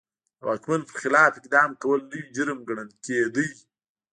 د واکمن پر خلاف اقدام کول لوی جرم ګڼل کېده.